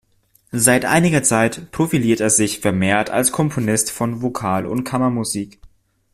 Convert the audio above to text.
Seit einiger Zeit profiliert er sich vermehrt als Komponist von Vokal- und Kammermusik.